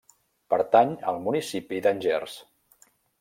Pertany al Municipi d'Angers.